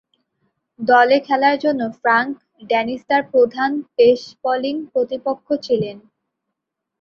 দলে খেলার জন্য ফ্রাঙ্ক ডেনিস তার প্রধান পেস বোলিং প্রতিপক্ষ ছিলেন।